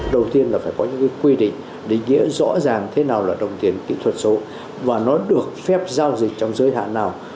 đầu tiên là phải có những quy định định nghĩa rõ ràng thế nào là đồng tiền kỹ thuật số và nó được phép giao dịch trong giới hạn nào